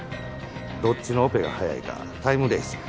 どっちのオペが早いかタイムレースや。